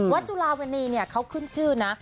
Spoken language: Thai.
จุลามณีเขาขึ้นชื่อนะ